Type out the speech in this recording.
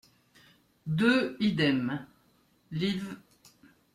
deux Idem, liv.